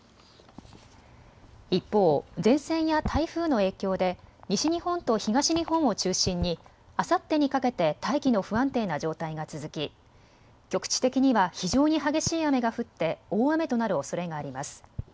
一方、前線や台風の影響で西日本と東日本を中心にあさってにかけて大気の不安定な状態が続き局地的には非常に激しい雨が降って大雨となるおそれがあります。